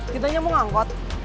kita hanya mau ngangkot